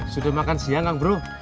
sudah makan siang bro